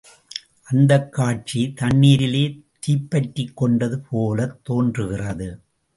அந்தக் காட்சி தண்ணீரிலே தீப்பற்றிக் கொண்டது போலத் தோன்றுகிறது.